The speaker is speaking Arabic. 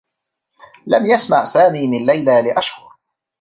لم يسمع سامي من ليلى لأشهر.